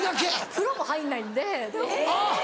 風呂も入んないんでアハハ！